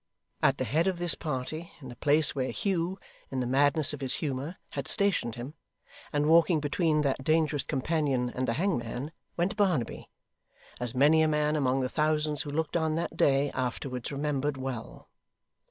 At the head of this party, in the place where Hugh, in the madness of his humour, had stationed him, and walking between that dangerous companion and the hangman, went Barnaby; as many a man among the thousands who looked on that day afterwards remembered well.